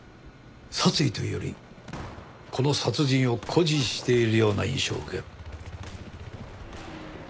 殺意というよりこの殺人を誇示しているような印象を受ける。